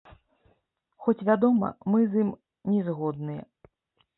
Хоць, вядома, мы з ім не згодныя.